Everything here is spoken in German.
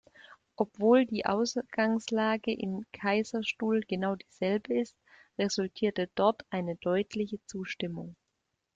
Obwohl die Ausgangslage in Kaiserstuhl genau dieselbe ist, resultierte dort eine deutliche Zustimmung.